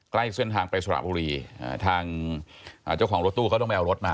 ใกล้เส้นทางไปสระบุรีทางเจ้าของรถตู้เขาต้องไปเอารถมา